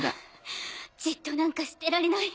じっとなんかしてられない。